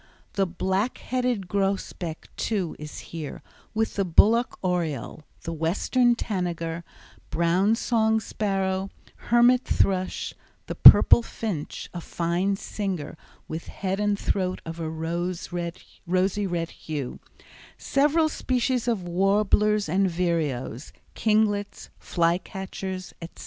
The black headed grosbeak, too, is here, with the Bullock oriole, and western tanager, brown song sparrow, hermit thrush, the purple finch,—a fine singer, with head and throat of a rosy red hue,—several species of warblers and vireos, kinglets, flycatchers, etc.